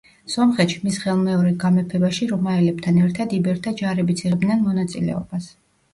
სომხეთში მის ხელმეორედ გამეფებაში რომაელებთან ერთად იბერთა ჯარებიც იღებდნენ მონაწილეობას.